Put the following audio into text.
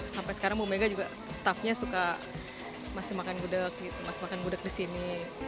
sampai sekarang bumega juga staffnya suka masih makan gudeg gitu masih makan gudeg disini